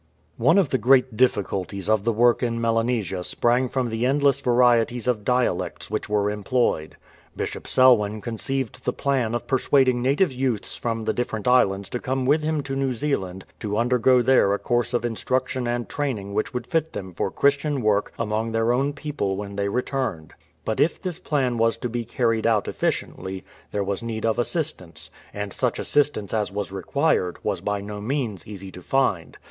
One of the great difficulties of the work in Melanesia sprang from the endless varieties of dialects which were employed. Bishop Selwyn conceived the plan of persuad ing native youths from the different islands to come with him to New Zealand to undergo there a course of instruc tion and training which would fit them for Christian work among their own people when they returned. But if this plan was to be carried out efficiently there was need of 274 WANTED A HELPER! assistance, and such assistance as was required was by no means easy to find.